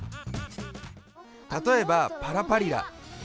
たとえばパラパリラ。